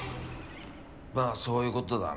まあそういうことだな。